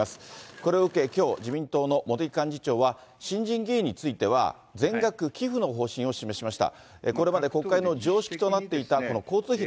これを受けきょう、自民党の茂木幹事長は、新人議員については全額寄付の方針を示しました。